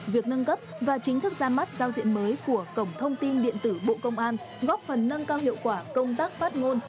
việc nâng cấp và chính thức ra mắt giao diện mới của cổng thông tin điện tử bộ công an góp phần nâng cao hiệu quả công tác phát ngôn